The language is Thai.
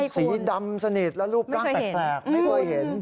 สีดำสนิทและรูปร่างแปลกไม่เคยเห็น